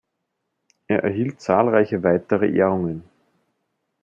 Er erhielt zahlreiche weitere Ehrungen.